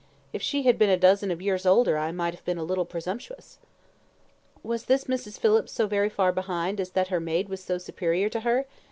If she had been a dozen of years older I might have been a little presumptuous." "Was this Mrs. Phillips so very far behind as that her maid was so superior to her?"